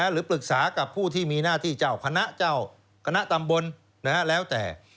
หรือปรึกษากับผู้ที่มีหน้าที่เจ้าคณะเจ้าคณะตำบลแล้วแต่